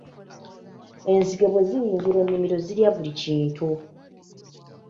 Enzige bwe ziyingira ennimiro zirya buli kintu.